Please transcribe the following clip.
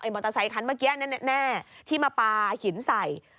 มอเตอร์ไซคันเมื่อกี้แน่ที่มาปลาหินใส่